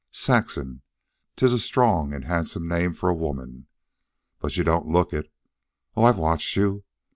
Saxon! 'tis a strong, handsome name for a woman. But you don't look it. Oh, I've watched you.